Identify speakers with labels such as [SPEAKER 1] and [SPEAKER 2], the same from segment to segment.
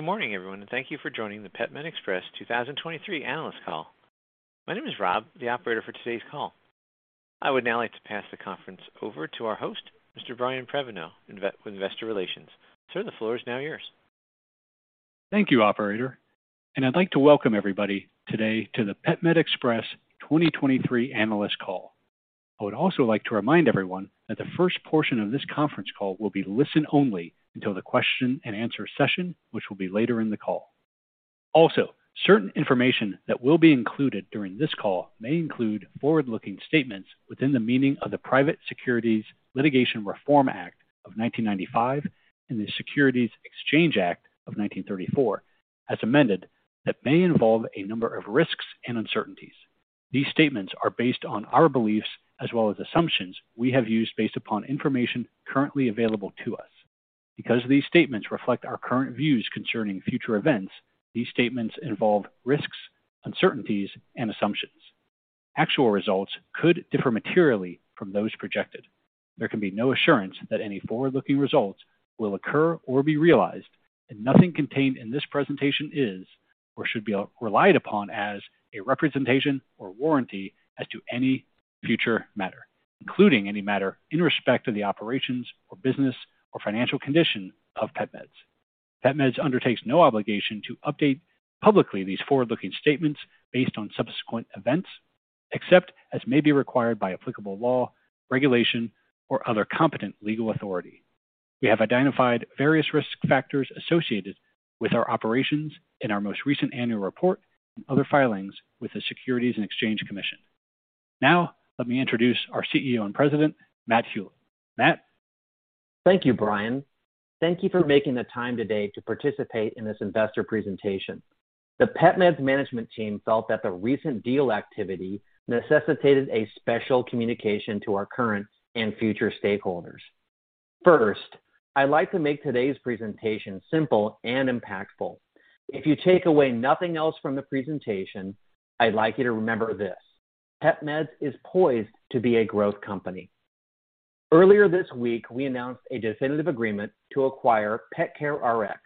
[SPEAKER 1] Good morning, everyone, and thank you for joining the PetMed Express 2023 analyst call. My name is Rob, the operator for today's call. I would now like to pass the conference over to our host, Mr. Brian Prenoveau, with Investor relations. Sir, the floor is now yours.
[SPEAKER 2] Thank you, operator. I'd like to welcome everybody today to the PetMed Express 2023 analyst call. I would also like to remind everyone that the first portion of this conference call will be listen only until the question-and-answer session, which will be later in the call. Certain information that will be included during this call may include forward-looking statements within the meaning of the Private Securities Litigation Reform Act of 1995 and the Securities Exchange Act of 1934, as amended, that may involve a number of risks and uncertainties. These statements are based on our beliefs as well as assumptions we have used based upon information currently available to us. Because these statements reflect our current views concerning future events, these statements involve risks, uncertainties, and assumptions. Actual results could differ materially from those projected. There can be no assurance that any forward-looking results will occur or be realized, and nothing contained in this presentation is or should be re-relied upon as a representation or warranty as to any future matter, including any matter in respect to the operations or business or financial condition of PetMeds. PetMeds undertakes no obligation to update publicly these forward-looking statements based on subsequent events, except as may be required by applicable law, regulation, or other competent legal authority. We have identified various risk factors associated with our operations in our most recent annual report and other filings with the Securities and Exchange Commission. Let me introduce our CEO and President, Matt Hulett. Matt?
[SPEAKER 3] Thank you, Brian. Thank you for making the time today to participate in this investor presentation. The PetMeds management team felt that the recent deal activity necessitated a special communication to our current and future stakeholders. First, I'd like to make today's presentation simple and impactful. If you take away nothing else from the presentation, I'd like you to remember this: PetMeds is poised to be a growth company. Earlier this week, we announced a definitive agreement to acquire PetCareRx,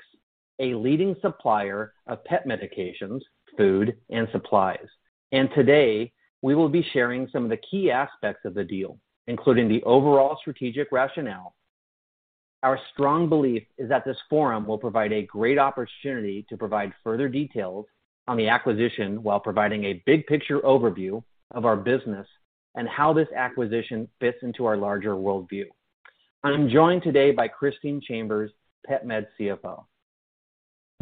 [SPEAKER 3] a leading supplier of pet medications, food, and supplies. Today, we will be sharing some of the key aspects of the deal, including the overall strategic rationale. Our strong belief is that this forum will provide a great opportunity to provide further details on the acquisition while providing a big picture overview of our business and how this acquisition fits into our larger worldview. I'm joined today by Christine Chambers, PetMeds CFO.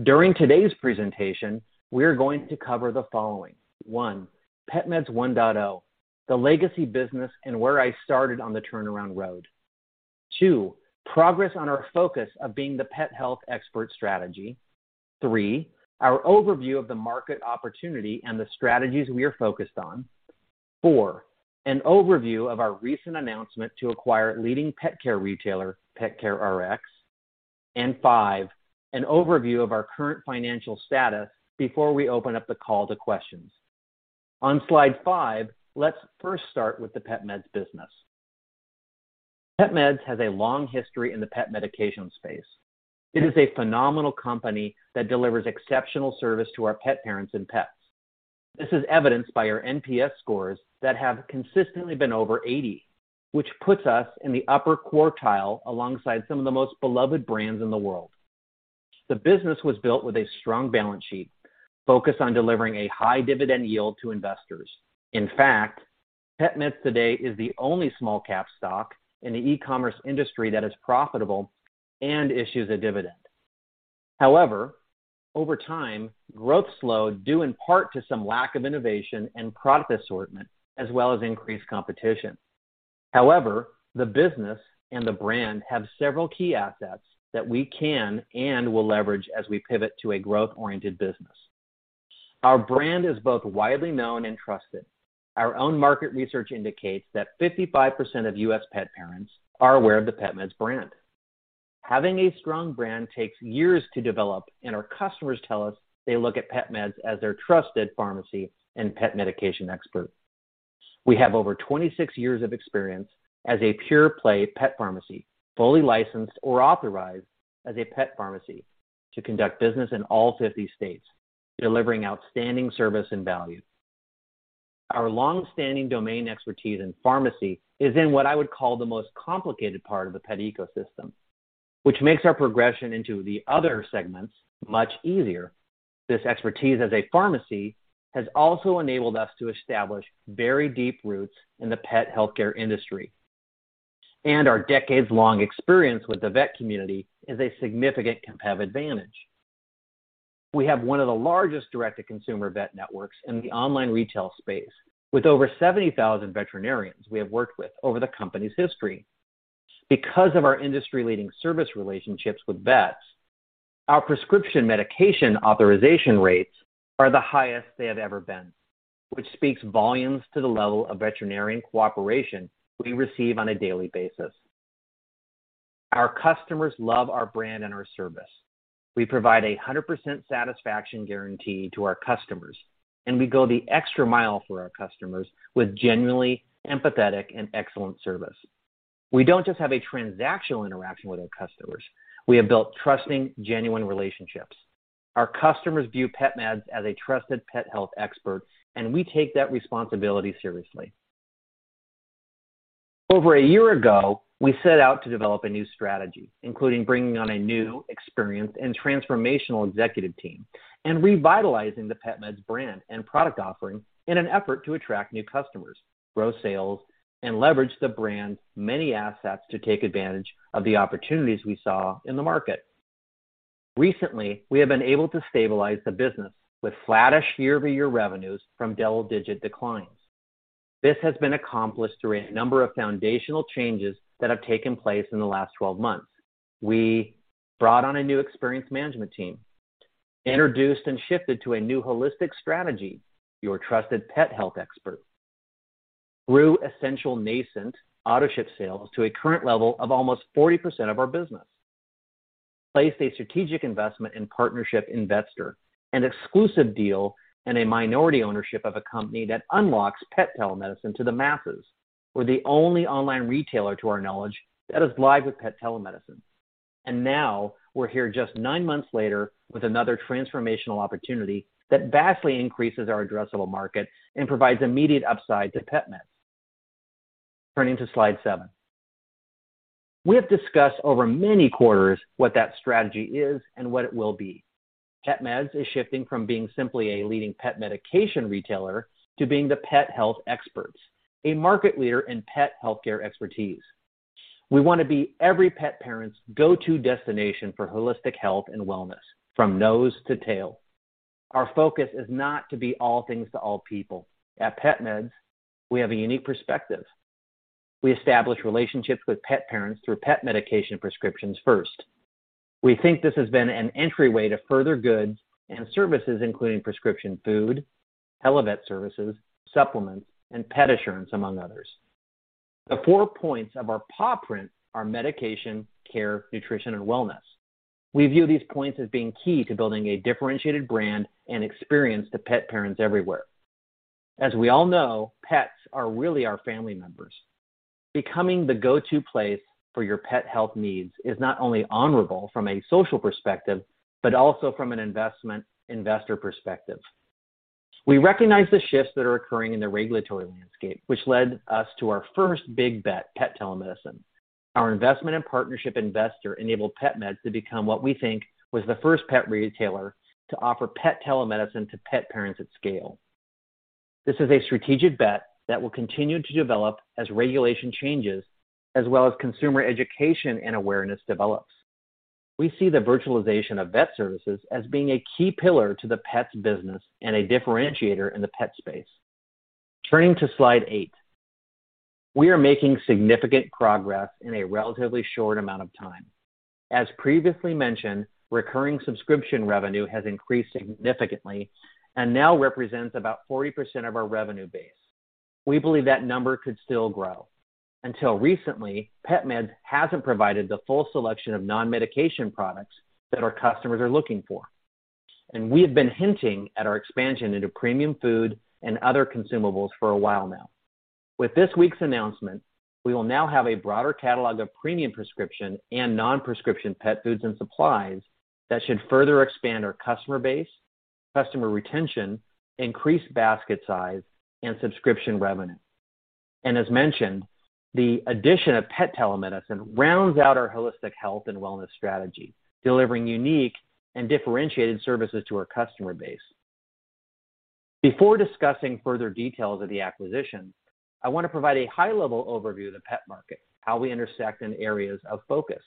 [SPEAKER 3] During today's presentation, we're going to cover the following. One, PetMeds 1.0, the legacy business and where I started on the turnaround road. Two, progress on our focus of being the pet health expert strategy. Three, our overview of the market opportunity and the strategies we are focused on. Four, an overview of our recent announcement to acquire leading pet care retailer, PetCareRx. Five, an overview of our current financial status before we open up the call to questions. On slide five, let's first start with the PetMeds business. PetMeds has a long history in the pet medication space. It is a phenomenal company that delivers exceptional service to our pet parents and pets. This is evidenced by our NPS scores that have consistently been over 80, which puts us in the upper quartile alongside some of the most beloved brands in the world. The business was built with a strong balance sheet focused on delivering a high dividend yield to investors. In fact, PetMeds today is the only small cap stock in the e-commerce industry that is profitable and issues a dividend. Over time, growth slowed due in part to some lack of innovation and product assortment as well as increased competition. The business and the brand have several key assets that we can and will leverage as we pivot to a growth-oriented business. Our brand is both widely known and trusted. Our own market research indicates that 55% of U.S. pet parents are aware of the PetMeds brand. Having a strong brand takes years to develop, and our customers tell us they look at PetMeds as their trusted pharmacy and pet medication expert. We have over 26 years of experience as a pure play pet pharmacy, fully licensed or authorized as a pet pharmacy to conduct business in all 50 states, delivering outstanding service and value. Our long-standing domain expertise in pharmacy is in what I would call the most complicated part of the pet ecosystem, which makes our progression into the other segments much easier. This expertise as a pharmacy has also enabled us to establish very deep roots in the pet healthcare industry. Our decades-long experience with the vet community is a significant competitive advantage. We have one of the largest direct-to-consumer vet networks in the online retail space. With over 70,000 veterinarians we have worked with over the company's history. Because of our industry-leading service relationships with vets, our prescription medication authorization rates are the highest they have ever been, which speaks volumes to the level of veterinarian cooperation we receive on a daily basis. Our customers love our brand and our service. We provide a 100% satisfaction guarantee to our customers, and we go the extra mile for our customers with genuinely empathetic and excellent service. We don't just have a transactional interaction with our customers. We have built trusting, genuine relationships. Our customers view PetMeds as a trusted pet health expert, and we take that responsibility seriously. Over one year ago, we set out to develop a new strategy, including bringing on a new experience and transformational executive team, and revitalizing the PetMeds brand and product offering in an effort to attract new customers, grow sales, and leverage the brand's many assets to take advantage of the opportunities we saw in the market. Recently, we have been able to stabilize the business with flattish year-over-year revenues from double-digit declines. This has been accomplished through a number of foundational changes that have taken place in the last 12 months. We brought on a new experienced management team, introduced and shifted to a new holistic strategy, Your Trusted Pet Health Expert, grew essential nascent AutoShip sales to a current level of almost 40% of our business, placed a strategic investment in partnership investor, an exclusive deal, and a minority ownership of a company that unlocks pet telemedicine to the masses. We're the only online retailer, to our knowledge, that is live with pet telemedicine. Now we're here just nine months later with another transformational opportunity that vastly increases our addressable market and provides immediate upside to PetMeds. Turning to slide seven. We have discussed over many quarters what that strategy is and what it will be. PetMeds is shifting from being simply a leading pet medication retailer to being the pet health experts, a market leader in pet healthcare expertise. We want to be every pet parent's go-to destination for holistic health and wellness from nose to tail. Our focus is not to be all things to all people. At PetMeds, we have a unique perspective. We establish relationships with pet parents through pet medication prescriptions first. We think this has been an entryway to further goods and services, including prescription food, televet services, supplements, and pet insurance, among others. The four points of our paw print are medication, care, nutrition, and wellness. We view these points as being key to building a differentiated brand and experience to pet parents everywhere. As we all know, pets are really our family members. Becoming the go-to place for your pet health needs is not only honorable from a social perspective, but also from an investment investor perspective. We recognize the shifts that are occurring in the regulatory landscape, which led us to our first big bet, pet telemedicine. Our investment and partnership investor enabled PetMeds to become what we think was the first pet retailer to offer pet telemedicine to pet parents at scale. This is a strategic bet that will continue to develop as regulation changes as well as consumer education and awareness develops. We see the virtualization of vet services as being a key pillar to the pets business and a differentiator in the pet space. Turning to slide eight. We are making significant progress in a relatively short amount of time. As previously mentioned, recurring subscription revenue has increased significantly and now represents about 40% of our revenue base. We believe that number could still grow. Until recently, PetMeds hasn't provided the full selection of non-medication products that our customers are looking for. We have been hinting at our expansion into premium food and other consumables for a while now. With this week's announcement, we will now have a broader catalog of premium prescription and non-prescription pet foods and supplies that should further expand our customer base, customer retention, increase basket size, and subscription revenue. As mentioned, the addition of pet telemedicine rounds out our holistic health and wellness strategy, delivering unique and differentiated services to our customer base. Before discussing further details of the acquisition, I want to provide a high-level overview of the pet market, how we intersect in areas of focus.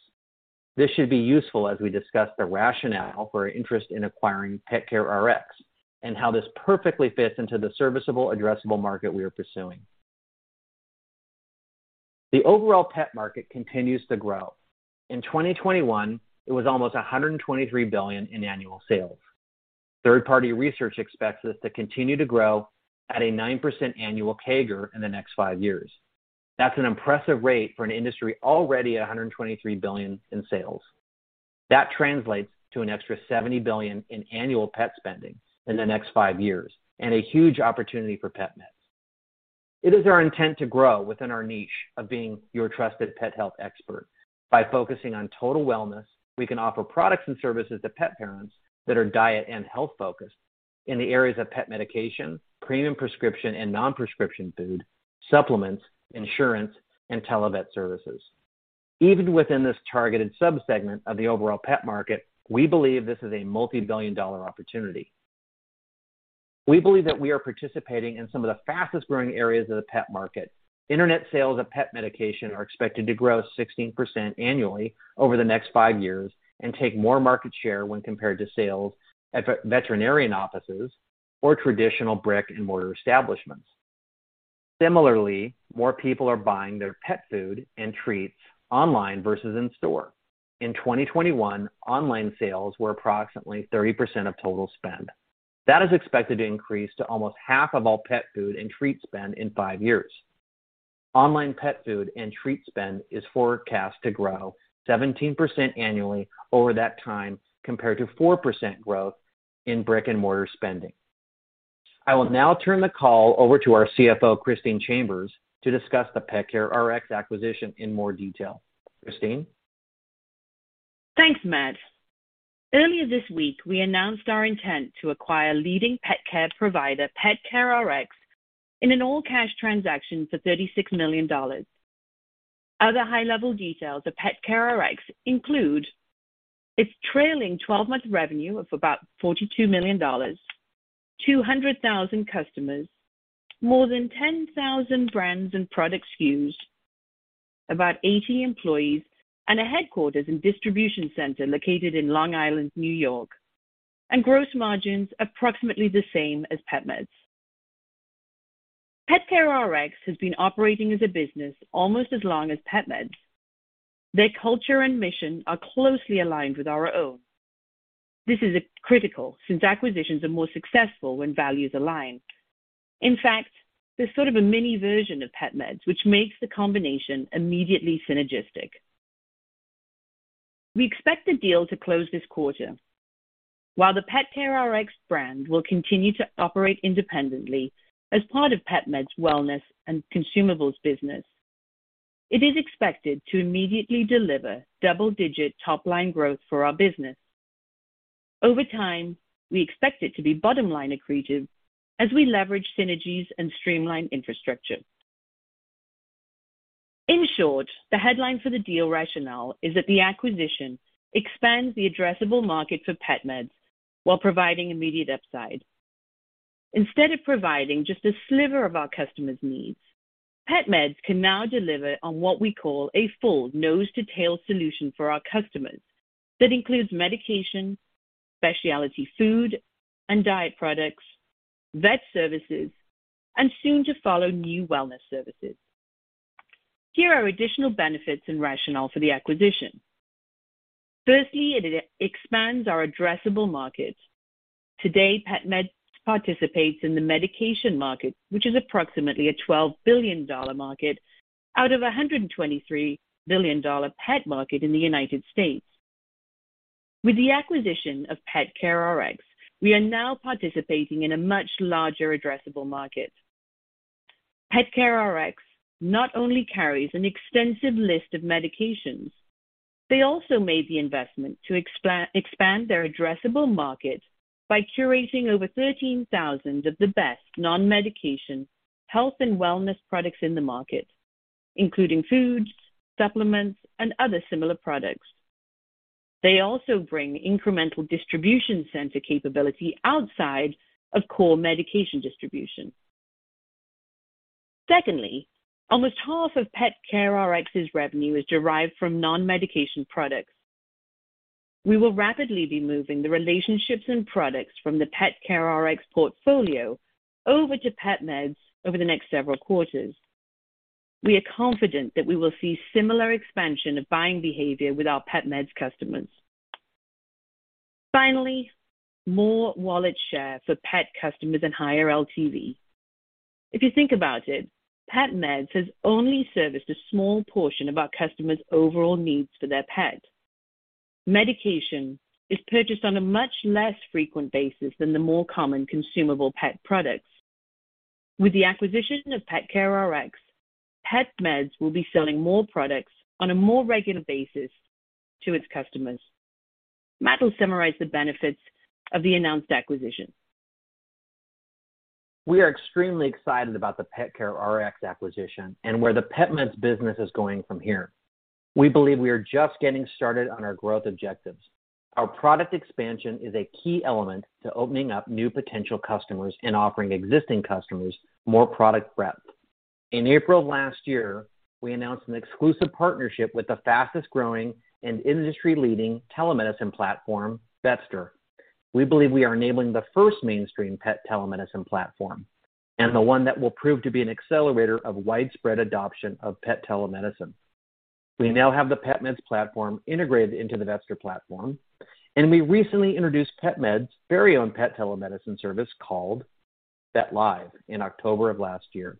[SPEAKER 3] This should be useful as we discuss the rationale for interest in acquiring PetCareRx and how this perfectly fits into the serviceable addressable market we are pursuing. The overall pet market continues to grow. In 2021, it was almost $123 billion in annual sales. Third-party research expects this to continue to grow at a 9% annual CAGR in the next five years. That's an impressive rate for an industry already at $123 billion in sales. That translates to an extra $70 billion in annual pet spending in the next five years and a huge opportunity for PetMeds. It is our intent to grow within our niche of being Your Trusted Pet Health Expert. By focusing on total wellness, we can offer products and services to pet parents that are diet and health-focused in the areas of pet medication, premium prescription and non-prescription food, supplements, insurance, and televet services. Even within this targeted subsegment of the overall pet market, we believe this is a multi-billion dollar opportunity. We believe that we are participating in some of the fastest-growing areas of the pet market. Internet sales of pet medication are expected to grow 16% annually over the next five years and take more market share when compared to sales at veterinarian offices or traditional brick-and-mortar establishments. Similarly, more people are buying their pet food and treats online versus in-store. In 2021, online sales were approximately 30% of total spend. That is expected to increase to almost half of all pet food and treat spend in five years. Online pet food and treat spend is forecast to grow 17% annually over that time, compared to 4% growth in brick-and-mortar spending. I will now turn the call over to our CFO, Christine Chambers, to discuss the PetCareRx acquisition in more detail. Christine.
[SPEAKER 4] Thanks, Matt. Earlier this week, we announced our intent to acquire leading pet care provider PetCareRx in an all-cash transaction for $36 million. Other high-level details of PetCareRx include its trailing 12-month revenue of about $42 million, 200,000 customers, more than 10,000 brands and product SKUs, about 80 employees, and a headquarters and distribution center located in Long Island, New York. Gross margins approximately the same as PetMeds. PetCareRx has been operating as a business almost as long as PetMeds. Their culture and mission are closely aligned with our own. This is critical, since acquisitions are more successful when values align. In fact, they're sort of a mini version of PetMeds, which makes the combination immediately synergistic. We expect the deal to close this quarter. While the PetCareRx brand will continue to operate independently as part of PetMeds wellness and consumables business, it is expected to immediately deliver double-digit top-line growth for our business. Over time, we expect it to be bottom line accretive as we leverage synergies and streamline infrastructure. In short, the headline for the deal rationale is that the acquisition expands the addressable market for PetMeds while providing immediate upside. Instead of providing just a sliver of our customers' needs, PetMeds can now deliver on what we call a full nose-to-tail solution for our customers that includes medication, specialty food and diet products, vet services, and soon to follow, new wellness services. Here are additional benefits and rationale for the acquisition. Firstly, it expands our addressable markets. Today, PetMeds participates in the medication market, which is approximately a $12 billion market out of a $123 billion pet market in the United States. With the acquisition of PetCareRx, we are now participating in a much larger addressable market. PetCareRx not only carries an extensive list of medications, they also made the investment to expand their addressable market by curating over 13,000 of the best non-medication health and wellness products in the market, including foods, supplements, and other similar products. They also bring incremental distribution center capability outside of core medication distribution. Secondly, almost half of PetCareRx's revenue is derived from non-medication products. We will rapidly be moving the relationships and products from the PetCareRx portfolio over to PetMeds over the next several quarters. We are confident that we will see similar expansion of buying behavior with our PetMeds customers. More wallet share for pet customers and higher LTV. If you think about it, PetMeds has only serviced a small portion of our customers' overall needs for their pet. Medication is purchased on a much less frequent basis than the more common consumable pet products. With the acquisition of PetCareRx, PetMeds will be selling more products on a more regular basis to its customers. Matt will summarize the benefits of the announced acquisition.
[SPEAKER 3] We are extremely excited about the PetCareRx acquisition and where the PetMeds business is going from here. We believe we are just getting started on our growth objectives. Our product expansion is a key element to opening up new potential customers and offering existing customers more product breadth. In April of last year, we announced an exclusive partnership with the fastest-growing and industry-leading telemedicine platform, Vetster. We believe we are enabling the first mainstream pet telemedicine platform and the one that will prove to be an accelerator of widespread adoption of pet telemedicine. We now have the PetMeds platform integrated into the Vetster platform, and we recently introduced PetMeds' very own pet telemedicine service called VetLive in October of last year.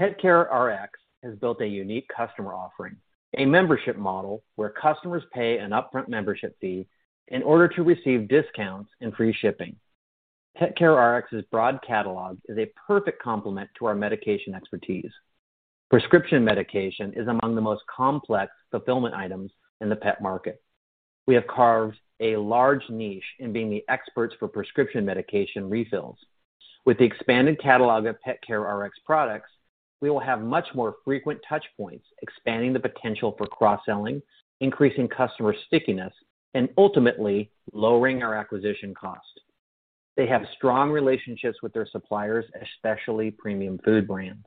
[SPEAKER 3] PetCareRx has built a unique customer offering, a membership model where customers pay an upfront membership fee in order to receive discounts and free shipping. PetCareRx's broad catalog is a perfect complement to our medication expertise. Prescription medication is among the most complex fulfillment items in the pet market. We have carved a large niche in being the experts for prescription medication refills. With the expanded catalog of PetCareRx products, we will have much more frequent touch points, expanding the potential for cross-selling, increasing customer stickiness, and ultimately lowering our acquisition cost. They have strong relationships with their suppliers, especially premium food brands.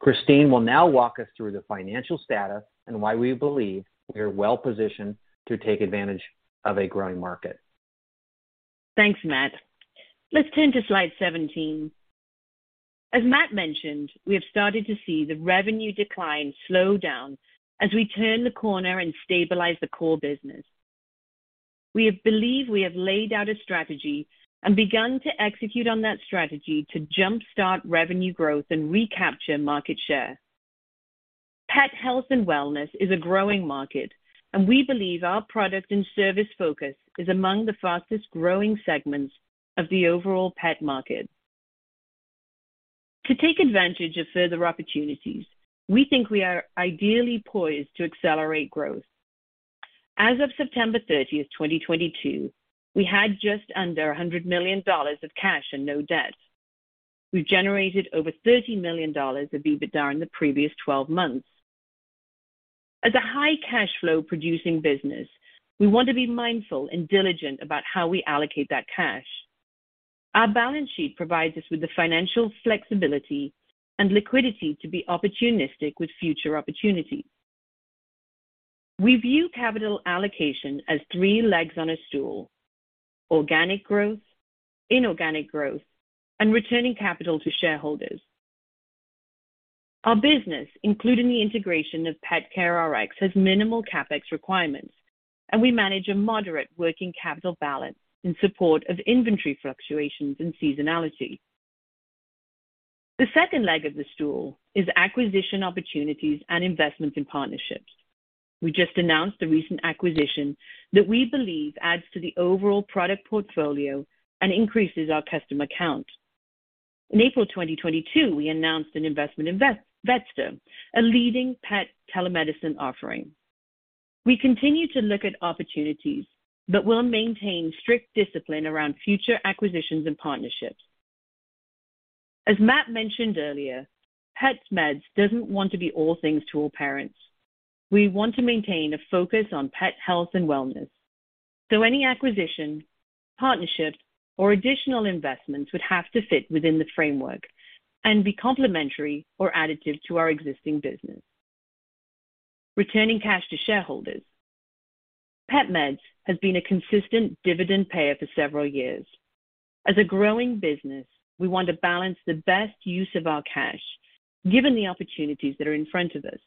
[SPEAKER 3] Christine will now walk us through the financial status and why we believe we are well-positioned to take advantage of a growing market.
[SPEAKER 4] Thanks, Matt. Let's turn to slide 17. As Matt mentioned, we have started to see the revenue decline slow down as we turn the corner and stabilize the core business. We have believed we have laid out a strategy and begun to execute on that strategy to jumpstart revenue growth and recapture market share. Pet health and wellness is a growing market, we believe our product and service focus is among the fastest-growing segments of the overall pet market. To take advantage of further opportunities, we think we are ideally poised to accelerate growth. As of September 30th, 2022, we had just under $100 million of cash and no debt. We've generated over $30 million of EBITDA in the previous 12 months. As a high cash flow producing business, we want to be mindful and diligent about how we allocate that cash. Our balance sheet provides us with the financial flexibility and liquidity to be opportunistic with future opportunities. We view capital allocation as three legs on a stool: organic growth, inorganic growth, and returning capital to shareholders. Our business, including the integration of PetCareRx, has minimal CapEx requirements, and we manage a moderate working capital balance in support of inventory fluctuations and seasonality. The second leg of the stool is acquisition opportunities and investments in partnerships. We just announced the recent acquisition that we believe adds to the overall product portfolio and increases our customer count. In April 2022, we announced an investment in Vetster, a leading pet telemedicine offering. We continue to look at opportunities that will maintain strict discipline around future acquisitions and partnerships. As Matt mentioned earlier, PetMeds doesn't want to be all things to all parents. We want to maintain a focus on pet health and wellness, so any acquisition, partnerships, or additional investments would have to fit within the framework and be complementary or additive to our existing business. Returning cash to shareholders. PetMeds has been a consistent dividend payer for several years. As a growing business, we want to balance the best use of our cash, given the opportunities that are in front of us.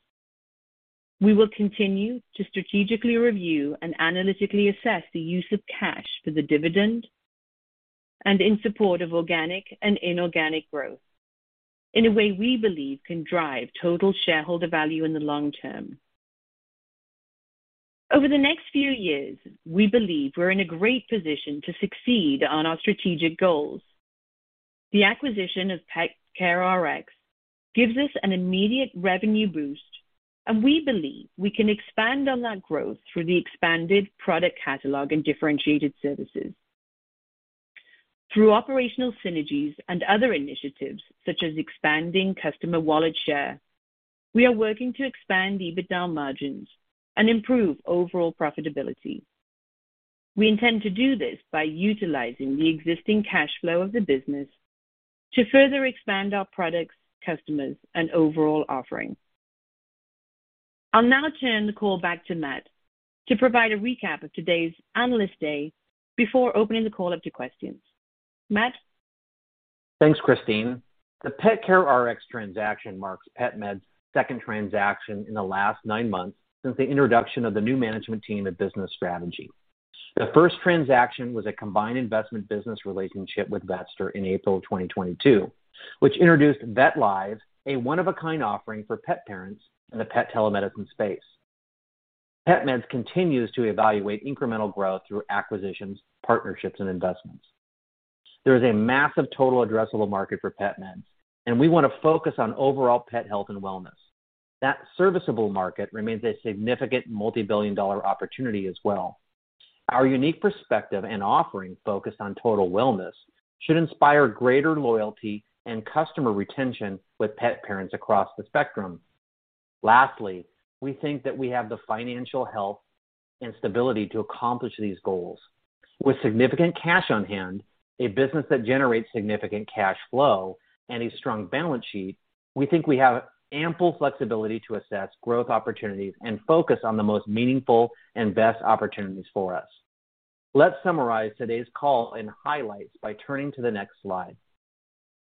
[SPEAKER 4] We will continue to strategically review and analytically assess the use of cash for the dividend and in support of organic and inorganic growth in a way we believe can drive total shareholder value in the long term. Over the next few years, we believe we're in a great position to succeed on our strategic goals. The acquisition of PetCareRx gives us an immediate revenue boost. We believe we can expand on that growth through the expanded product catalog and differentiated services. Through operational synergies and other initiatives such as expanding customer wallet share, we are working to expand EBITDA margins and improve overall profitability. We intend to do this by utilizing the existing cash flow of the business to further expand our products, customers, and overall offering. I'll now turn the call back to Matt to provide a recap of today's Analyst Day before opening the call up to questions. Matt.
[SPEAKER 3] Thanks, Christine. The PetCareRx transaction marks PetMeds' second transaction in the last nine months since the introduction of the new management team and business strategy. The first transaction was a combined investment business relationship with Vetster in April 2022, which introduced VetLive, a one-of-a-kind offering for pet parents in the pet telemedicine space. PetMeds continues to evaluate incremental growth through acquisitions, partnerships, and investments. There is a massive total addressable market for PetMeds, and we want to focus on overall pet health and wellness. That serviceable market remains a significant multi-billion-dollar opportunity as well. Our unique perspective and offering focused on total wellness should inspire greater loyalty and customer retention with pet parents across the spectrum. Lastly, we think that we have the financial health and stability to accomplish these goals. With significant cash on hand, a business that generates significant cash flow and a strong balance sheet, we think we have ample flexibility to assess growth opportunities and focus on the most meaningful and best opportunities for us. Let's summarize today's call and highlights by turning to the next slide.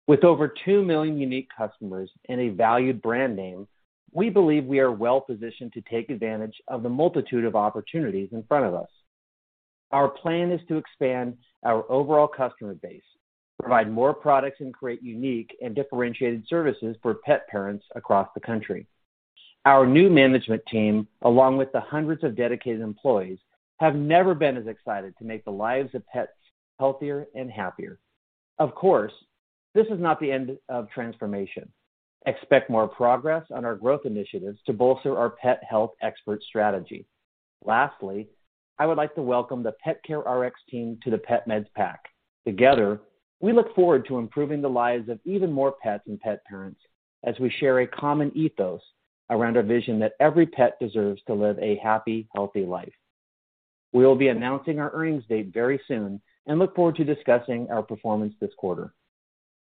[SPEAKER 3] With over 2 million unique customers and a valued brand name, we believe we are well-positioned to take advantage of the multitude of opportunities in front of us. Our plan is to expand our overall customer base, provide more products, and create unique and differentiated services for pet parents across the country. Our new management team, along with the hundreds of dedicated employees, have never been as excited to make the lives of pets healthier and happier. Of course, this is not the end of transformation. Expect more progress on our growth initiatives to bolster our Pet Health Expert strategy. I would like to welcome the PetCareRx team to the PetMeds pack. Together, we look forward to improving the lives of even more pets and pet parents as we share a common ethos around our vision that every pet deserves to live a happy, healthy life. We will be announcing our earnings date very soon and look forward to discussing our performance this quarter.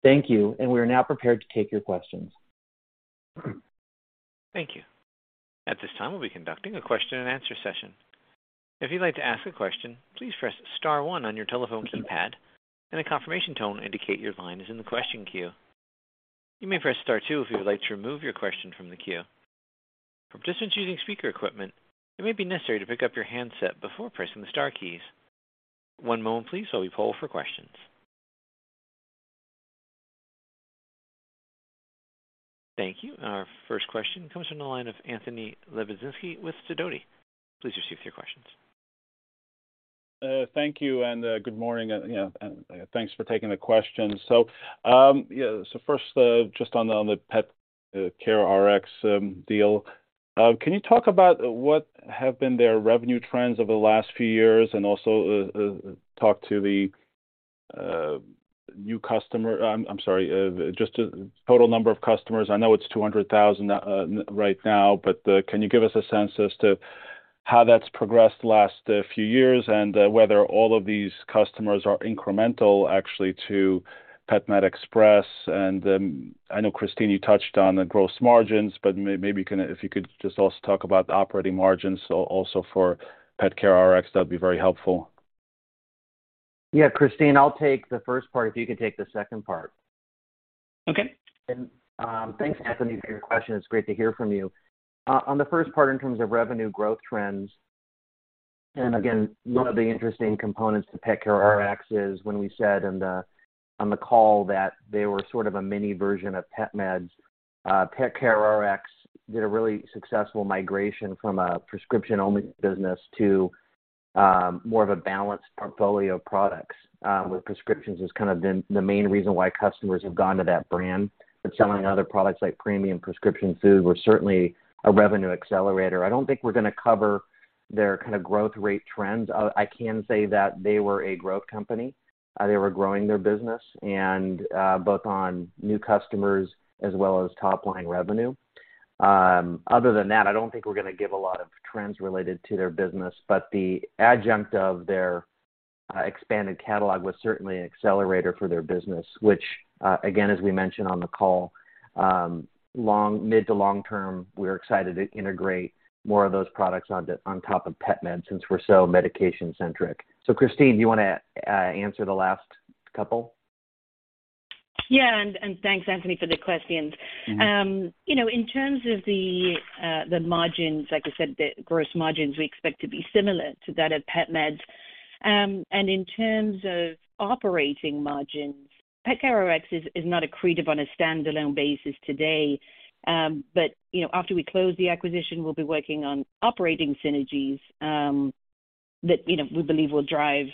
[SPEAKER 3] Thank you. We are now prepared to take your questions.
[SPEAKER 1] Thank you. At this time, we'll be conducting a question-and-answer session. If you'd like to ask a question, please press star one on your telephone keypad, and a confirmation tone indicate your line is in the question queue. You may press star two if you would like to remove your question from the queue. For participants using speaker equipment, it may be necessary to pick up your handset before pressing the star keys. One moment please while we poll for questions. Thank you. Our first question comes from the line of Anthony Lebiedzinski with Sidoti. Please proceed with your questions.
[SPEAKER 5] Thank you, and good morning. You know, thanks for taking the question. Yeah, so first, just on the PetCareRx deal. Can you talk about what have been their revenue trends over the last few years and also talk to the new customer... I'm sorry. Just total number of customers. I know it's 200,000 right now, but can you give us a sense as to how that's progressed the last few years and whether all of these customers are incremental actually to PetMed Express? I know, Christine, you touched on the gross margins, but maybe if you could just also talk about the operating margins also for PetCareRx, that'd be very helpful.
[SPEAKER 3] Yeah. Christine, I'll take the first part if you can take the second part.
[SPEAKER 4] Okay.
[SPEAKER 3] Thanks, Anthony, for your question. It's great to hear from you. On the first part in terms of revenue growth trends, one of the interesting components to PetCareRx is when we said on the call that they were sort of a mini version of PetMeds. PetCareRx did a really successful migration from a prescription-only business to more of a balanced portfolio of products, with prescriptions as kind of the main reason why customers have gone to that brand. Selling other products like premium prescription food were certainly a revenue accelerator. I don't think we're gonna cover their kind of growth rate trends. I can say that they were a growth company. They were growing their business both on new customers as well as top-line revenue. Other than that, I don't think we're gonna give a lot of trends related to their business. The adjunct of their expanded catalog was certainly an accelerator for their business, which again, as we mentioned on the call, mid to long term, we're excited to integrate more of those products on top of PetMed since we're so medication-centric. Christine, do you wanna answer the last couple?
[SPEAKER 4] Yeah, thanks, Anthony, for the questions.
[SPEAKER 3] Mm-hmm.
[SPEAKER 4] You know, in terms of the margins, like I said, the gross margins we expect to be similar to that of PetMeds. In terms of operating margins, PetCareRx is not accretive on a standalone basis today. You know, after we close the acquisition, we'll be working on operating synergies, that, you know, we believe will drive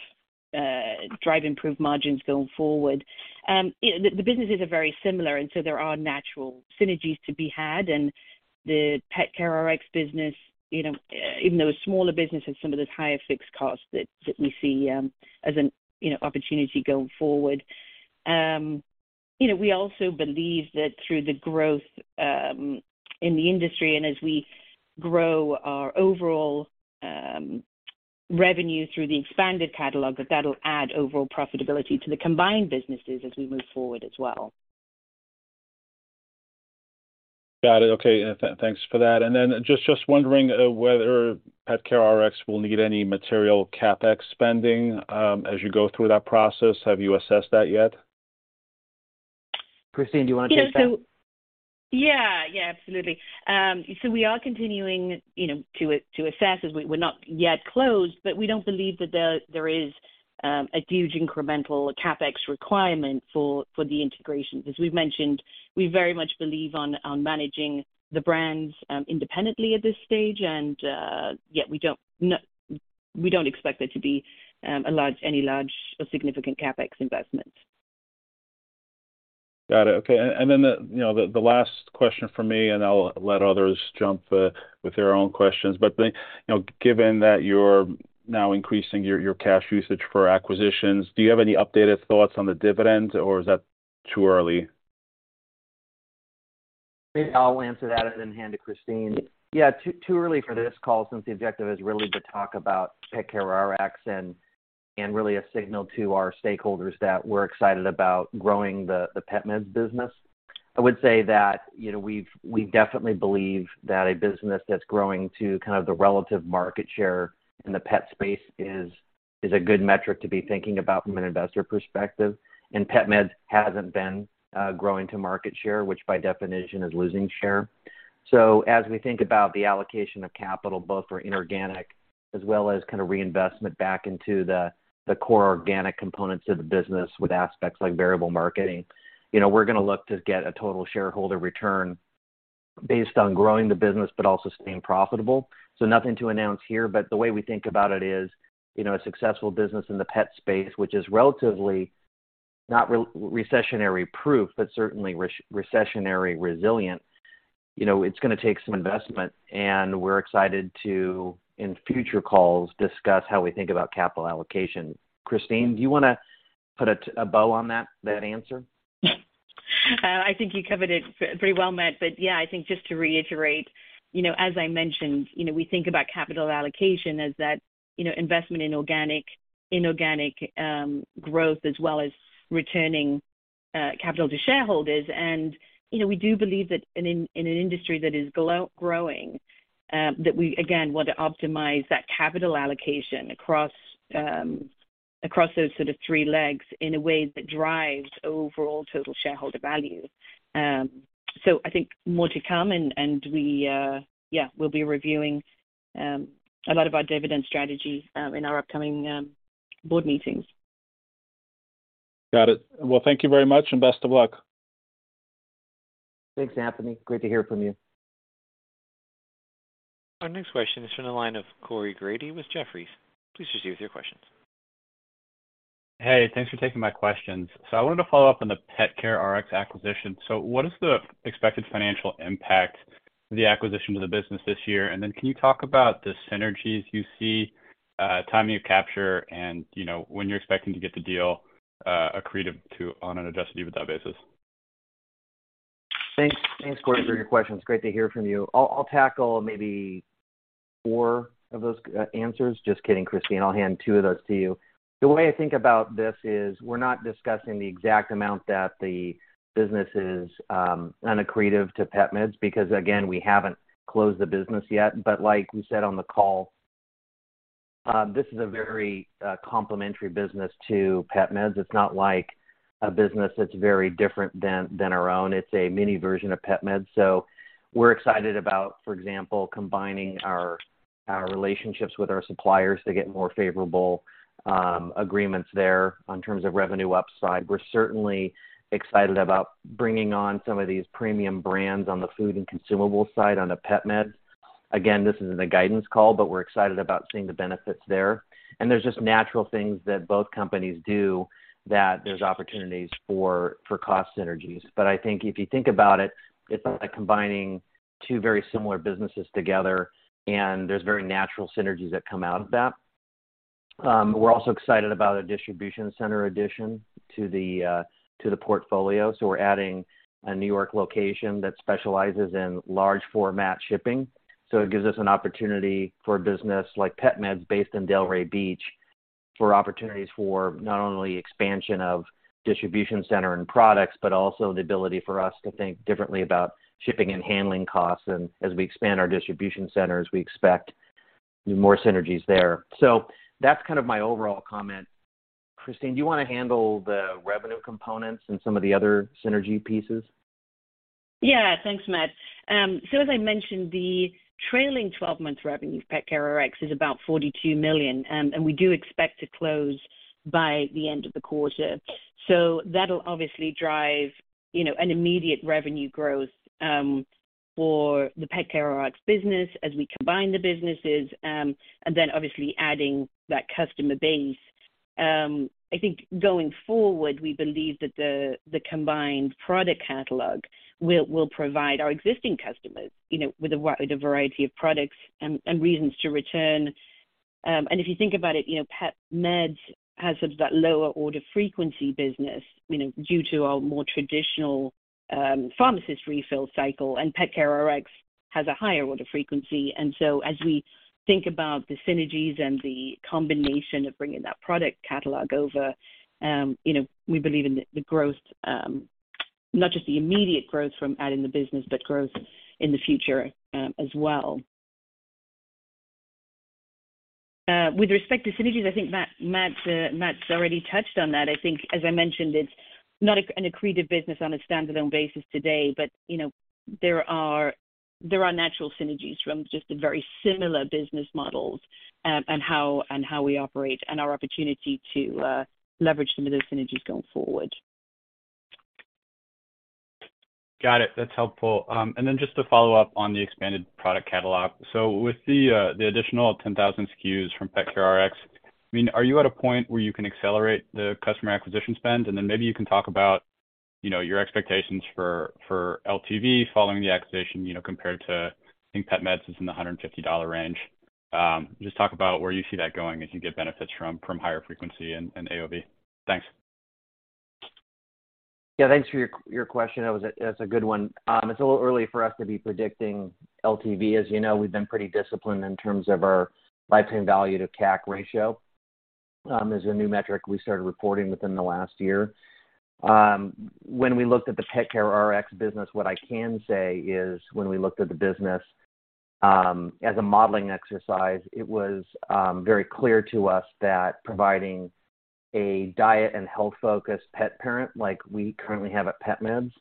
[SPEAKER 4] improved margins going forward. The businesses are very similar, and so there are natural synergies to be had. The PetCareRx business, you know, even though a smaller business has some of those higher fixed costs that we see, as an, you know, opportunity going forward. You know, we also believe that through the growth in the industry and as we grow our overall revenue through the expanded catalog, that that'll add overall profitability to the combined businesses as we move forward as well.
[SPEAKER 5] Got it. Okay. Thanks for that. Just wondering, whether PetCareRx will need any material CapEx spending, as you go through that process. Have you assessed that yet?
[SPEAKER 3] Christine, do you wanna take that?
[SPEAKER 4] Yeah, absolutely. We are continuing, you know, to assess as we're not yet closed, but we don't believe that there is a huge incremental CapEx requirement for the integration. As we've mentioned, we very much believe on managing the brands independently at this stage. Yeah, we don't expect there to be any large or significant CapEx investments.
[SPEAKER 5] Got it. Okay. Then the, you know, the last question from me, and I'll let others jump with their own questions. You know, given that you're now increasing your cash usage for acquisitions, do you have any updated thoughts on the dividends, or is that too early?
[SPEAKER 3] Maybe I'll answer that and then hand to Christine. Yeah, too early for this call, since the objective is really to talk about PetCareRx and really a signal to our stakeholders that we're excited about growing the PetMeds business. I would say that, you know, we definitely believe that a business that's growing to kind of the relative market share in the pet space is a good metric to be thinking about from an investor perspective. PetMeds hasn't been growing to market share, which by definition is losing share. As we think about the allocation of capital both for inorganic as well as kind of reinvestment back into the core organic components of the business with aspects like variable marketing, you know, we're gonna look to get a total shareholder return based on growing the business but also staying profitable. Nothing to announce here, the way we think about it is, you know, a successful business in the pet space, which is relatively not re-recessionary proof, but certainly re-recessionary resilient. You know, it's gonna take some investment, we're excited to, in future calls, discuss how we think about capital allocation. Christine, do you wanna put a bow on that answer?
[SPEAKER 4] I think you covered it pretty well, Matt. Yeah, I think just to reiterate, you know, as I mentioned, you know, we think about capital allocation as that, you know, investment in organic, inorganic, growth as well as returning capital to shareholders. You know, we do believe that in an industry that is growing, that we again, want to optimize that capital allocation across across those sort of three legs in a way that drives overall total shareholder value. I think more to come and we, yeah, we'll be reviewing a lot of our dividend strategy in our upcoming board meetings.
[SPEAKER 5] Got it. Well, thank you very much and best of luck.
[SPEAKER 3] Thanks, Anthony. Great to hear from you.
[SPEAKER 1] Our next question is from the line of Corey Grady with Jefferies. Please proceed with your questions.
[SPEAKER 6] Hey, thanks for taking my questions. I wanted to follow up on the PetCareRx acquisition. What is the expected financial impact of the acquisition to the business this year? Can you talk about the synergies you see, timing of capture and, you know, when you're expecting to get the deal accretive to on an adjusted EBITDA basis?
[SPEAKER 3] Thanks, Corey, for your question. It's great to hear from you. I'll tackle maybe four of those answers. Just kidding, Christine. I'll hand two of those to you. The way I think about this is we're not discussing the exact amount that the business is accretive to PetMeds because, again, we haven't closed the business yet. Like we said on the call, this is a very complementary business to PetMeds. It's not like a business that's very different than our own. It's a mini version of PetMeds. We're excited about, for example, combining our relationships with our suppliers to get more favorable agreements there in terms of revenue upside. We're certainly excited about bringing on some of these premium brands on the food and consumables side onto PetMeds. This isn't a guidance call, but we're excited about seeing the benefits there. There's just natural things that both companies do that there's opportunities for cost synergies. I think if you think about it's like combining two very similar businesses together, and there's very natural synergies that come out of that. We're also excited about a distribution center addition to the portfolio, we're adding a New York location that specializes in large format shipping. It gives us an opportunity for a business like PetMeds based in Delray Beach, for opportunities for not only expansion of distribution center and products, but also the ability for us to think differently about shipping and handling costs. As we expand our distribution centers, we expect more synergies there. That's kind of my overall comment. Christine, do you wanna handle the revenue components and some of the other synergy pieces?
[SPEAKER 4] Thanks, Matt. As I mentioned, the trailing 12-month revenue of PetCareRx is about $42 million, and we do expect to close by the end of the quarter. That'll obviously drive, you know, an immediate revenue growth for the PetCareRx business as we combine the businesses, and then obviously adding that customer base. I think going forward, we believe that the combined product catalog will provide our existing customers, you know, with a variety of products and reasons to return. If you think about it, you know, PetMeds has sort of that lower order frequency business, you know, due to our more traditional pharmacist refill cycle, and PetCareRx has a higher order frequency. As we think about the synergies and the combination of bringing that product catalog over, you know, we believe in the growth, not just the immediate growth from adding the business, but growth in the future as well. With respect to synergies, I think Matt's already touched on that. I think as I mentioned, it's not an accretive business on a standalone basis today, but, you know, there are natural synergies from just the very similar business models and how we operate and our opportunity to leverage some of those synergies going forward.
[SPEAKER 6] Got it. That's helpful. Just to follow up on the expanded product catalog. With the additional 10,000 SKUs from PetCareRx, I mean, are you at a point where you can accelerate the customer acquisition spend? Maybe you can talk about, you know, your expectations for LTV following the acquisition, you know, compared to, I think PetMeds is in the $150 range. Just talk about where you see that going as you get benefits from higher frequency and AOV. Thanks.
[SPEAKER 3] Yeah, thanks for your question. That's a good one. It's a little early for us to be predicting LTV. As you know, we've been pretty disciplined in terms of our lifetime value to CAC ratio, as a new metric we started reporting within the last year. When we looked at the PetCareRx business, what I can say is when we looked at the business, as a modeling exercise, it was very clear to us that providing a diet and health-focused pet parent like we currently have at PetMeds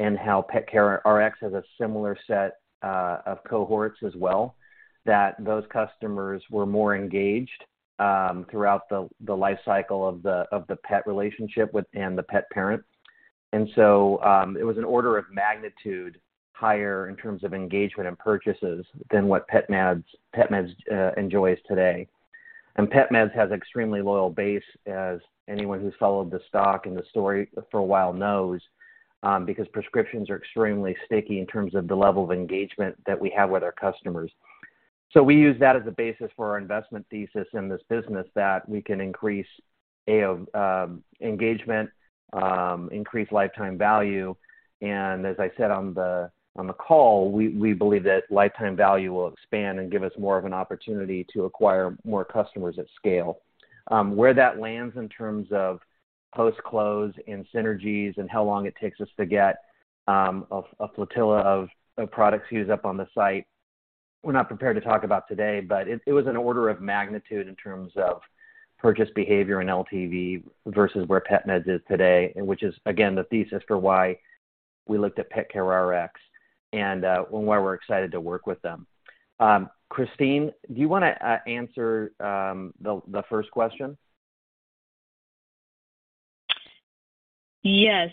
[SPEAKER 3] and how PetCareRx has a similar set of cohorts as well, that those customers were more engaged throughout the life cycle of the pet relationship with and the pet parent. It was an order of magnitude higher in terms of engagement and purchases than what PetMeds enjoys today. PetMeds has extremely loyal base, as anyone who's followed the stock and the story for a while knows, because prescriptions are extremely sticky in terms of the level of engagement that we have with our customers. We use that as a basis for our investment thesis in this business that we can increase engagement, increase lifetime value, and as I said on the call, we believe that lifetime value will expand and give us more of an opportunity to acquire more customers at scale. where that lands in terms of post-close and synergies and how long it takes us to get a flotilla of products SKUs up on the site. We're not prepared to talk about today, but it was an order of magnitude in terms of purchase behavior and LTV versus where PetMeds is today. Which is again, the thesis for why we looked at PetCareRx and why we're excited to work with them. Christine, do you wanna answer the first question?
[SPEAKER 4] Yeah.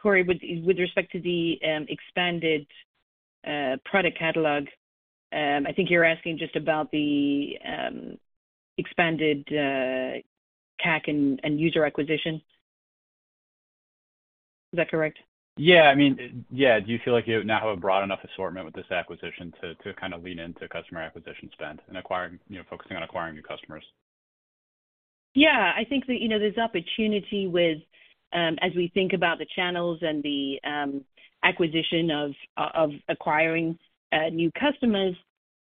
[SPEAKER 4] Corey, with respect to the expanded product catalog, I think you're asking just about the expanded CAC and user acquisition. Is that correct?
[SPEAKER 6] Yeah. I mean, Yeah. Do you feel like you now have a broad enough assortment with this acquisition to kind of lean into customer acquisition spend and acquiring, you know, focusing on acquiring new customers?
[SPEAKER 4] Yeah. I think that, you know, there's opportunity with as we think about the channels and the acquisition of acquiring new customers.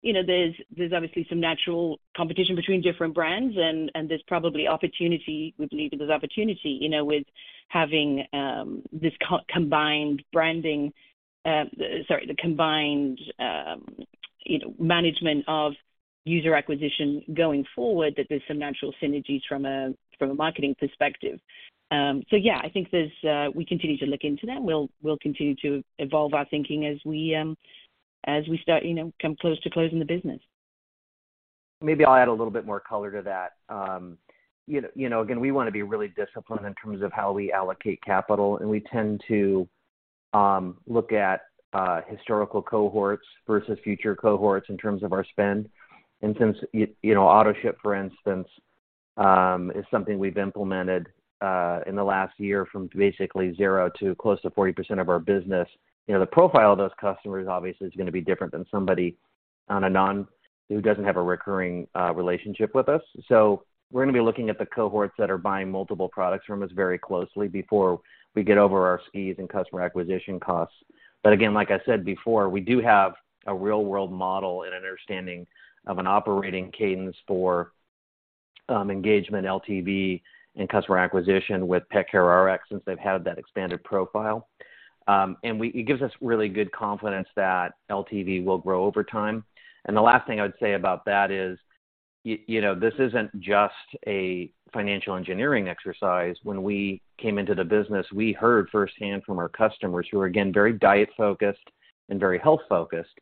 [SPEAKER 4] You know, there's obviously some natural competition between different brands and there's probably opportunity. We believe there's opportunity, you know, with having the combined, you know, management of user acquisition going forward, that there's some natural synergies from a marketing perspective. I think there's. We continue to look into that. We'll continue to evolve our thinking as we as we start, you know, come close to closing the business.
[SPEAKER 3] Maybe I'll add a little bit more color to that. you know, you know, again, we wanna be really disciplined in terms of how we allocate capital, and we tend to look at historical cohorts versus future cohorts in terms of our spend. Since, you know, AutoShip, for instance, is something we've implemented in the last year from basically zero to close to 40% of our business. You know, the profile of those customers obviously is gonna be different than somebody who doesn't have a recurring relationship with us. We're gonna be looking at the cohorts that are buying multiple products from us very closely before we get over our skis and customer acquisition costs. again, like I said before, we do have a real-world model and understanding of an operating cadence for engagement LTV and customer acquisition with PetCareRx, since they've had that expanded profile. It gives us really good confidence that LTV will grow over time. The last thing I would say about that is, you know, this isn't just a financial engineering exercise. When we came into the business, we heard firsthand from our customers, who are, again, very diet-focused and very health-focused,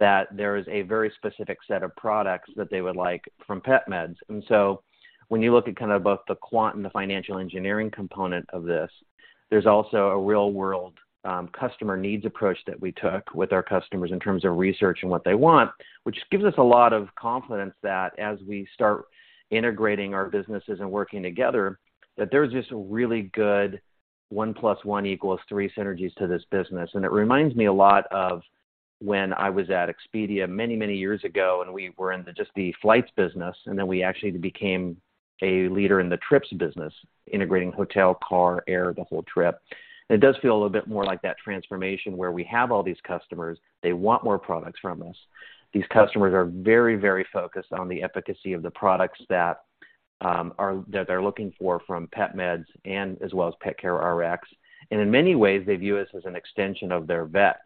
[SPEAKER 3] that there is a very specific set of products that they would like from PetMeds. When you look at kind of both the quant and the financial engineering component of this, there's also a real-world, customer needs approach that we took with our customers in terms of research and what they want, which gives us a lot of confidence that as we start integrating our businesses and working together, that there's just a really good one plus one equals three synergies to this business. It reminds me a lot of when I was at Expedia many, many years ago, and we were in the, just the flights business, and then we actually became a leader in the trips business, integrating hotel, car, air, the whole trip. It does feel a little bit more like that transformation, where we have all these customers, they want more products from us. These customers are very focused on the efficacy of the products that they're looking for from PetMeds and as well as PetCareRx. In many ways, they view us as an extension of their vet.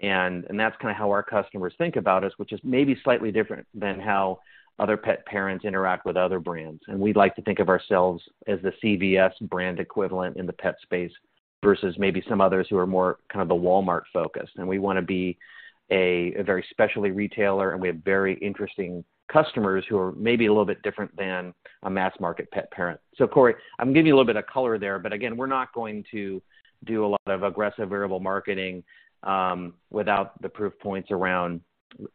[SPEAKER 3] That's kinda how our customers think about us, which is maybe slightly different than how other pet parents interact with other brands. We'd like to think of ourselves as the CVS brand equivalent in the pet space versus maybe some others who are more kind of the Walmart-focused. We wanna be a very specialty retailer, and we have very interesting customers who are maybe a little bit different than a mass market pet parent. Corey, I'm giving you a little bit of color there. Again, we're not going to do a lot of aggressive variable marketing, without the proof points around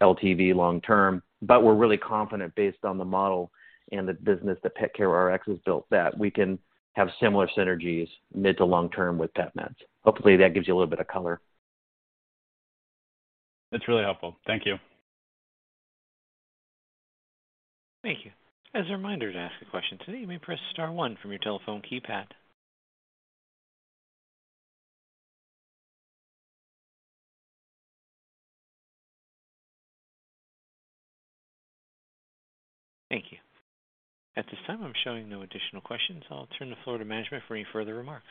[SPEAKER 3] LTV long term. We're really confident based on the model and the business that PetCareRx has built, that we can have similar synergies mid to long term with PetMeds. Hopefully, that gives you a little bit of color.
[SPEAKER 6] That's really helpful. Thank you.
[SPEAKER 1] Thank you. As a reminder to ask a question today, you may press star one from your telephone keypad. Thank you. At this time, I'm showing no additional questions. I'll turn the floor to management for any further remarks.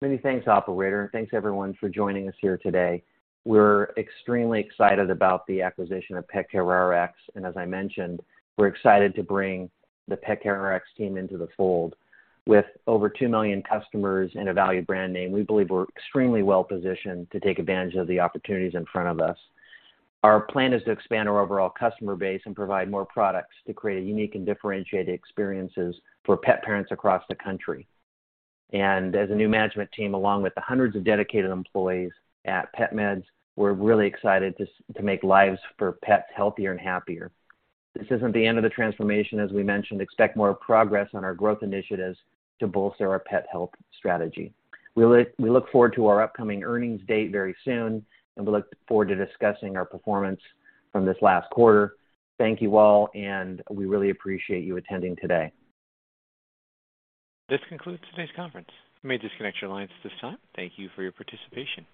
[SPEAKER 3] Many thanks, operator. Thanks everyone for joining us here today. We're extremely excited about the acquisition of PetCareRx, and as I mentioned, we're excited to bring the PetCareRx team into the fold. With over 2 million customers and a valued brand name, we believe we're extremely well-positioned to take advantage of the opportunities in front of us. Our plan is to expand our overall customer base and provide more products to create a unique and differentiated experiences for pet parents across the country. As a new management team, along with the hundreds of dedicated employees at PetMeds, we're really excited to make lives for pets healthier and happier. This isn't the end of the transformation, as we mentioned. Expect more progress on our growth initiatives to bolster our pet health strategy. We look forward to our upcoming earnings date very soon, and we look forward to discussing our performance from this last quarter. Thank you all, and we really appreciate you attending today.
[SPEAKER 1] This concludes today's conference. You may disconnect your lines at this time. Thank you for your participation.